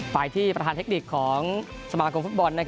ไปที่ประหารเทคนิกของสมาครกรุงฟุตบอล